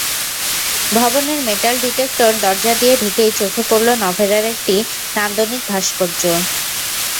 ভবনের metal detector দরজা দিয়ে ঢুকেই চোখে পড়ল নভেরার একটি নান্দনিক ভাস্কর্য।